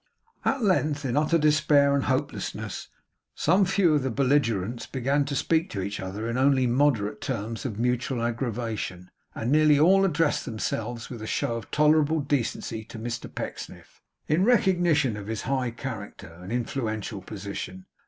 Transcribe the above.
At length, in utter despair and hopelessness, some few of the belligerents began to speak to each other in only moderate terms of mutual aggravation; and nearly all addressed themselves with a show of tolerable decency to Mr Pecksniff, in recognition of his high character and influential position.